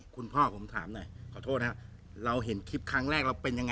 คุณพ่อผมถามหน่อยขอโทษนะครับเราเห็นคลิปครั้งแรกเราเป็นยังไง